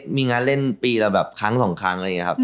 มีงานเล่นปีเราแบบครั้งสองครั้งเลยนะครับ